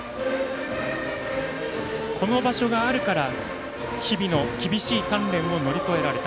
この場所があるから日々の厳しい鍛錬を乗り越えられた。